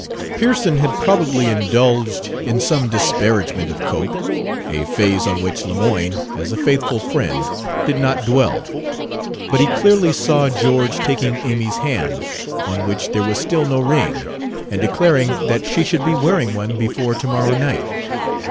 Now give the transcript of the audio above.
Pearson had probably indulged in some disparagement of Cope a phase on which Lemoyne, as a faithful friend, did not dwell. But he clearly saw George taking Amy's hand, on which there was still no ring, and declaring that she should be wearing one before tomorrow night.